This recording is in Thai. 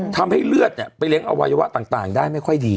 ทำให้เลือดไปเลี้ยอวัยวะต่างได้ไม่ค่อยดี